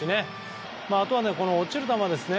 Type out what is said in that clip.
あとは落ちる球ですね。